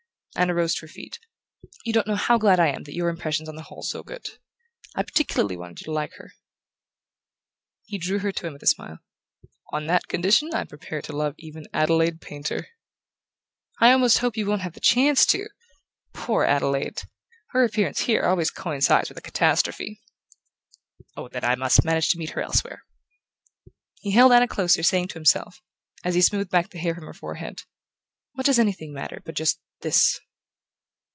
Anna rose to her feet. "You don't know how glad I am that your impression's on the whole so good. I particularly wanted you to like her." He drew her to him with a smile. "On that condition I'm prepared to love even Adelaide Painter." "I almost hope you wont have the chance to poor Adelaide! Her appearance here always coincides with a catastrophe." "Oh, then I must manage to meet her elsewhere." He held Anna closer, saying to himself, as he smoothed back the hair from her forehead: "What does anything matter but just THIS?